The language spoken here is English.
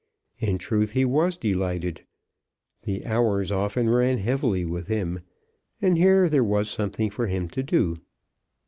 In truth he was delighted. The hours often ran heavily with him, and here there was something for him to do.